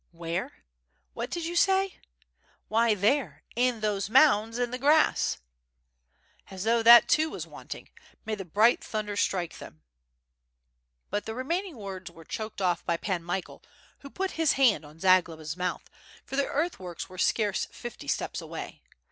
"Where? what did you say?" "Why there, in those mounds in the grass." "As though that too was wanting. May the bright thunder strike them. ..." But tha remaining words were choked off by Pan Michael, who put his hand on Zagloba's mouth, for the earthworks were scarce fifty steps away.